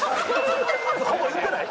ほぼ言ってない？